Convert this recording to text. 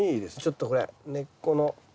ちょっとこれ根っこの。